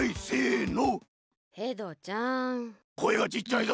こえがちっちゃいぞ？